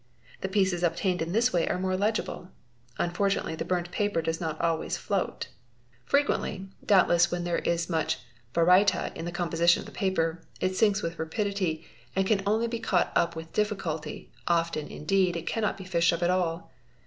The pieces obtained in this way are more legible. Unfortunately the burnt paper does not always float. Frequently, doubtless when there is much baryta in the composition of the paper, it sinks with 'rapidity and can only be caught up with difficulty—often indeed it cannot be fished up at all.